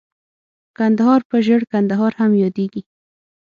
کندهار په ژړ کندهار هم ياديږي.